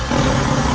dari mana saja